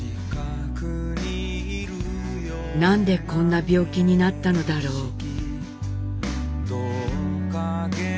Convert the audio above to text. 「なんでこんな病気になったのだろう」。